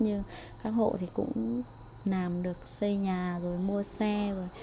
như các hộ thì cũng làm được xây nhà rồi mua xe rồi